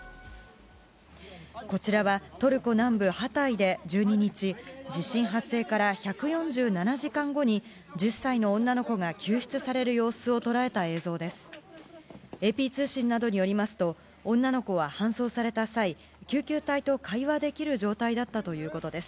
こちらはトルコ南部ハタイで１２日、地震発生から１４７時間後に、１０歳の女の子が救出される様子を捉えた映像です。